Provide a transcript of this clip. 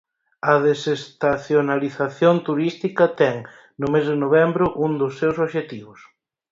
A desestacionalización turística ten, no mes de novembro, un dos seus obxectivos.